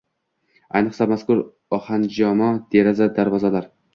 Ayniqsa, mazkur ohanjoma deraza-darvozalar...